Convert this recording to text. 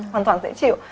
hoàn toàn dễ chịu